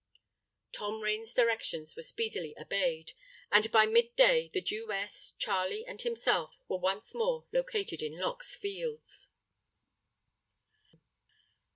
Tom Rain's directions were speedily obeyed; and by mid day the Jewess, Charley, and himself were once more located in Lock's Fields.